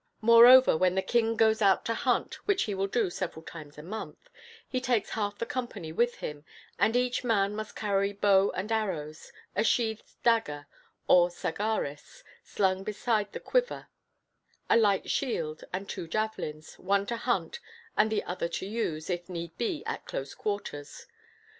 Moreover, when the king goes out to hunt, which he will do several times a month, he takes half the company with him, and each man must carry bow and arrows, a sheathed dagger, or "sagaris," slung beside the quiver, a light shield, and two javelins, one to hurl and the other to use, if need be, at close quarters.